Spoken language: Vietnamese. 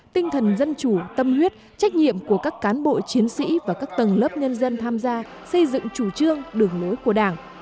tinh thần dân chủ tâm huyết trách nhiệm của các cán bộ chiến sĩ và các tầng lớp nhân dân tham gia xây dựng chủ trương đường lối của đảng